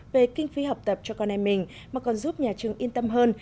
về kinh phí học tập cho con em mình mà còn giúp nhà trường yên tâm hơn